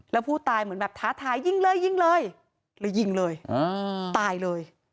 แล้วผู้ตายเหมือนแบบท้าทายยิงเลยยิงเลยเลยยิงเลยตายเลย